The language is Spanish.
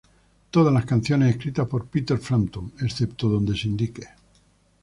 Todas las canciones escritas por Peter Frampton; excepto donde se indique.